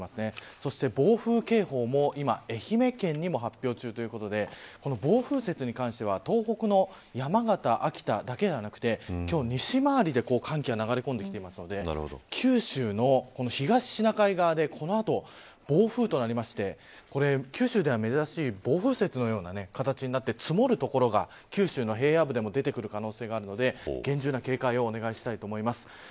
そして暴風警報も今愛媛県にも発表中ということでこの暴風雪に関しては東北の山形、秋田だけではなくて今日、西回りで寒気が流れ込んできているので九州の東シナ海側でこの後、暴風となって九州では珍しい暴風雪のような形になって積もる所が九州の平野部でも出てくる可能性があるので厳重な警戒をお願いします。